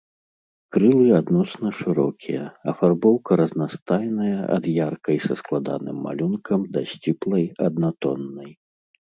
Крылы адносна шырокія, афарбоўка разнастайная ад яркай са складаным малюнкам да сціплай, аднатоннай.